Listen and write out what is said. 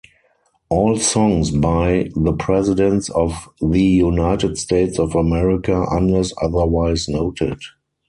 All songs by The Presidents of the United States of America unless otherwise noted.